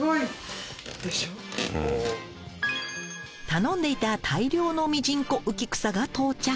頼んでいた大量のミジンコウキクサが到着。